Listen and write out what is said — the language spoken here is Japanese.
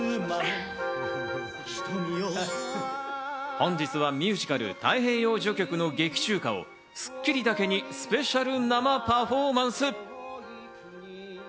本日はミュージカル『太平洋序曲』の劇中歌を『スッキリ』だけにスペシャル生パフォーマンス。